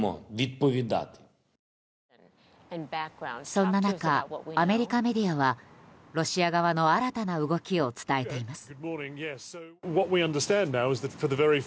そんな中、アメリカメディアはロシア側の新たな動きを伝えています。